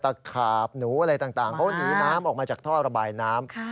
ขาบหนูอะไรต่างเขาหนีน้ำออกมาจากท่อระบายน้ำ